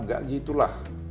enggak gitu lah